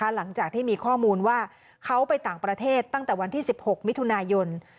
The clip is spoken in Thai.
หลังจากที่มีข้อมูลว่าเขาไปต่างประเทศตั้งแต่วันที่๑๖มิถุนายน